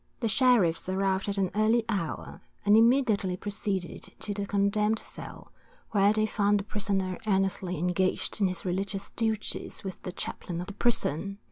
The sheriffs arrived at an early hour, and immediately proceeded to the condemned cell, where they found the prisoner earnestly engaged in his religious duties with the chaplain of the prison.